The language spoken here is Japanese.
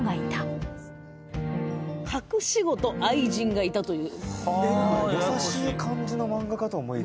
隠し子と愛人がいたという。